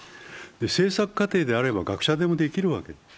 政策過程であれば学者でもできるわけ。